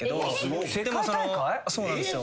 そうなんですよ。